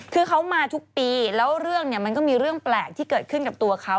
คือเขามาทุกปีแล้วเรื่องเนี่ยมันก็มีเรื่องแปลกที่เกิดขึ้นกับตัวเขา